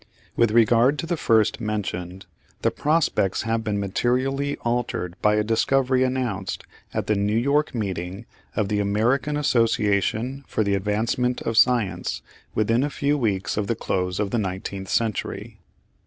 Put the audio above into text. With regard to the first mentioned, the prospects have been materially altered by a discovery announced at the New York meeting of the American Association for the Advancement of Science within a few weeks of the close of the nineteenth century.